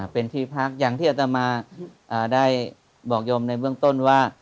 เป็นที่พักอย่างที่อัตมาได้บอกโยมในเบื้องต้นว่า